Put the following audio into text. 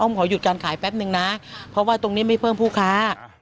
ขอหยุดการขายแป๊บนึงนะเพราะว่าตรงนี้ไม่เพิ่มผู้ค้า